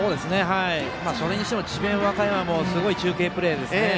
それにしても智弁和歌山もすごい中継プレーですね。